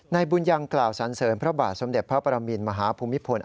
บุญยังกล่าวสันเสริญพระบาทสมเด็จพระปรมินมหาภูมิพล